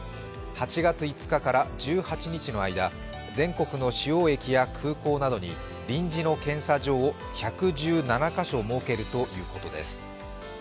８月５日から１８日の間、全国の主要駅や空港などに臨時の検査場を１１７カ所設けるということです。